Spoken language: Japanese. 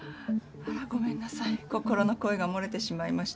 あらごめんなさい心の声が漏れてしまいました。